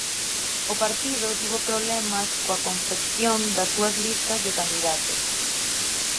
O partido tivo problemas coa confección das súas listas de candidatos.